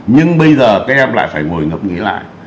nhưng bây giờ các em lại phải ngồi ngập nghỉ lại